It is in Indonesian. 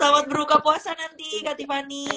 selamat berbuka puasa nanti kak tiffany